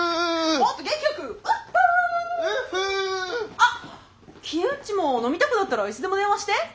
あっキウッチも飲みたくなったらいつでも電話して。